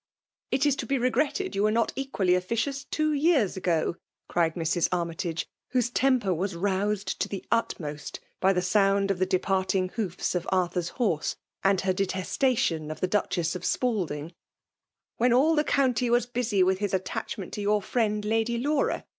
•*•'••* It is to be regretted yoii were not equally officious two years ago," cried Mrs. Armytage, whose temper was roused to the utmost by the sound of the departing. hooti df Arthurs horse, and her detestation of the Duchess of Spalding; "when all the county was "busy with his attachment to yOur frioid Lady VEMALB DOMINATION. 17 Uaura.